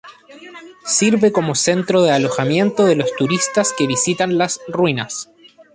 Sirve como centro de alojamiento de los turistas que visitan las ruinas.